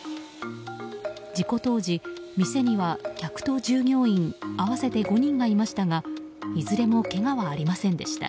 事故当時、店には客と従業員合わせて５人がいましたがいずれもけがはありませんでした。